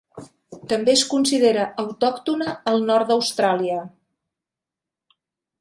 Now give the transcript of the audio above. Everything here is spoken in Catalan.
També es considera autòctona al nord d'Austràlia.